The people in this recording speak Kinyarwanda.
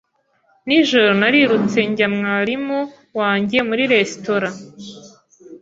Nijoro narirutse njya mwarimu wanjye muri resitora.